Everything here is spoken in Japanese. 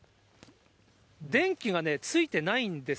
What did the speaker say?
電気がついてないんです。